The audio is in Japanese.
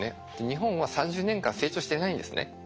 日本は３０年間成長してないんですね。